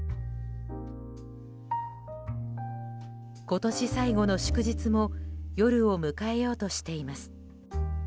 今年最後の祝日も夜を迎えようとしています。